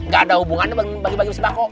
gak ada hubungannya bagi bagi sembako